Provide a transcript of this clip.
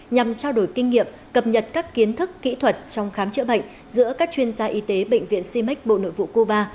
nhằm trao đổi kinh nghiệm cập nhật các kiến thức kỹ thuật trong khám chữa bệnh giữa các chuyên gia y tế bệnh viện simex bộ nội vụ cuba